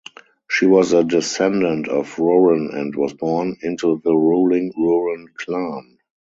She was the descendant of Rouran and was born into the ruling Rouran clan.